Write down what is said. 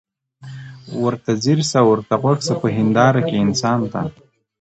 ورته ځیر سه ورته غوږ سه په هینداره کي انسان ته